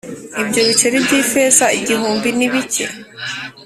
ibyo biceri by’ ifeza igihumbi nibike.